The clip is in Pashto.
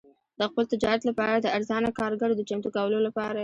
د خپل تجارت لپاره د ارزانه کارګرو د چمتو کولو لپاره.